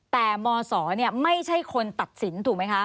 แต่มศไม่ใช่คนตัดสินถูกไหมคะ